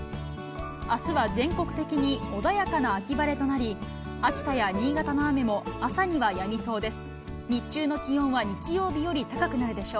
あすは全国的に穏やかな秋晴れとなり、秋田や新潟の雨も朝にはやみそうです。